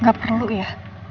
gak perlu ya